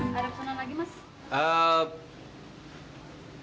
ada pesanan lagi mas